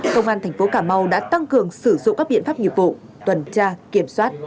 công an tp cà mau đã tăng cường sử dụng các biện pháp nhiệm vụ tuần tra kiểm soát